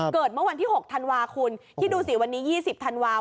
เกิดเมื่อวันที่๖ธันวาคุณคิดดูสิวันนี้๒๐ธันวาคม